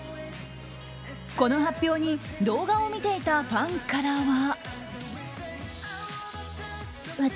この発表に動画を見ていたファンからは。